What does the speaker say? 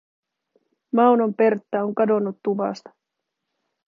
Maunon Pertta on kadonnut tuvasta.